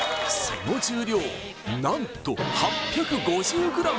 その重量何と８５０ｇ！